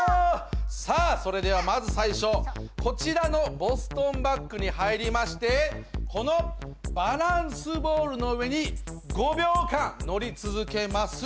さあそれではまず最初こちらのボストンバッグに入りましてこのバランスボールの上に５秒間乗り続けます。